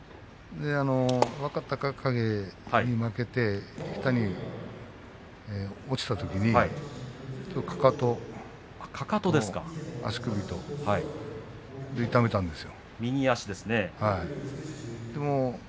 若隆景に負けて下に落ちたときにかかとと足首と痛めたんですよ。